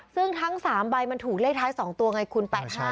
ซึ่งทั้ง๓ใบมันถูกเลขท้าย๒ตัวไงคุณ๘๕